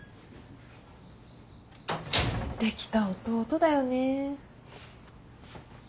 できた弟だよね。